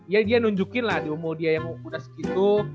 ya dia nunjukin lah di umur dia yang udah segitu